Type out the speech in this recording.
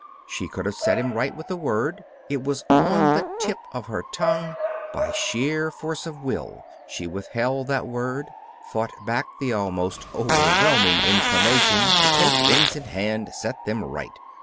She could have set him right with a word. It was on the tip of her tongue. By sheer force of will she withheld that word, fought back the almost overwhelming inclination to take things in hand, set them right.